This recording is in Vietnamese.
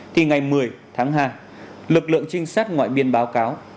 thì ngày một mươi tháng hai lực lượng trinh sát ngoại biên báo cáo